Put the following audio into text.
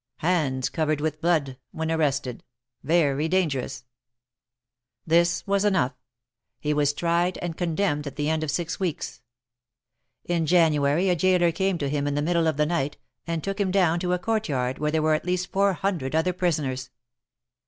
Hands covered with blood when arrested. Very dangerous." This was enough. He was tried and condemned at the end of six weeks. In January a jailor came to him in the middle of the night, and took him down to a court yard where there were at least four hundred other prisoners.